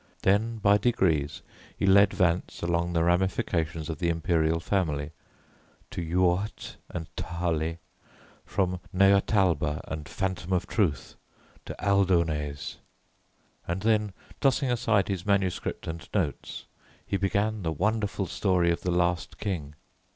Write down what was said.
Then by degrees he led Vance along the ramifications of the Imperial family, to Uoht and Thale, from Naotalba and Phantom of Truth, to Aldones, and then tossing aside his manuscript and notes, he began the wonderful story of the Last King.